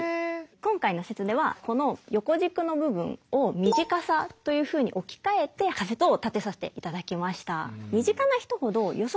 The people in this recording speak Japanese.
今回の説ではこの横軸の部分を身近さというふうに置き換えて仮説を立てさせていただきました。